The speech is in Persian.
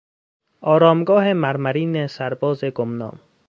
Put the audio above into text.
آرامگاه مرمرین سرباز گمنام